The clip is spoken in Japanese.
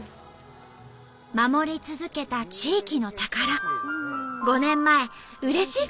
守り続けた地域の宝。